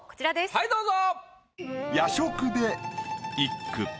はいどうぞ。